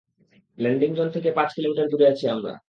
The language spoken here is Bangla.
ল্যান্ডিং জোন থেকে পাচ কিমি দূরে আছি আমরা।